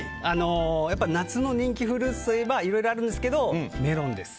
夏の人気フルーツといえばいろいろあるんですけどメロンです。